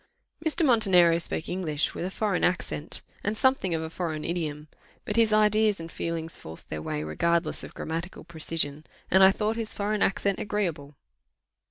Mr. Montenero spoke English with a foreign accent, and something of a foreign idiom; but his ideas and feelings forced their way regardless of grammatical precision, and I thought his foreign accent agreeable.